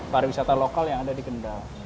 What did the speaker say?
pariwisata lokal yang ada di kendal